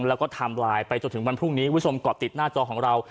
แล้วก็ไทม์ไลน์ไปจนถึงวันพรุ่งนี้คุณผู้ชมเกาะติดหน้าจอของเรา